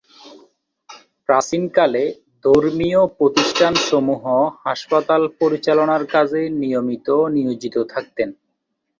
প্রাচীনকালে ধর্মীয় প্রতিষ্ঠানসমূহ হাসপাতাল পরিচালনার কাজে নিয়মিত নিয়োজিত থাকতেন।